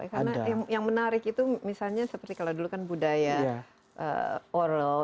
karena yang menarik itu misalnya seperti kalau dulu kan budaya oral